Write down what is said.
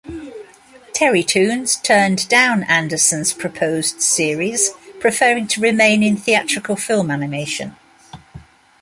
Terrytoons turned down Anderson's proposed series, preferring to remain in theatrical film animation.